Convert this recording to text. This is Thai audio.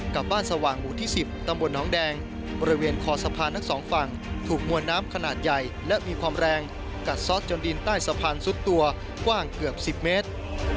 กัดซอสจนดินใต้สะพานซุดตัวกว้างเกือบ๑๐เมตร